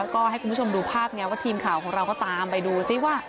ก็ให้คุณผู้ชมดูภาพไงว่าทีมข่าวของเราก็ตามไปดูซิว่า